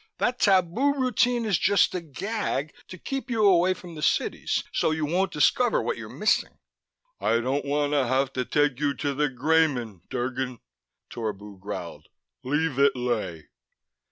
That tabu routine is just a gag to keep you away from the cities so you won't discover what you're missing " "I don't wanna hafta take you to the Greymen, Drgon," Torbu growled. "Leave it lay."